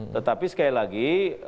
tetapi sekali lagi